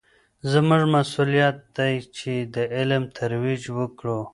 زموږ مسوولیت دی چې د علم ترویج وکړو.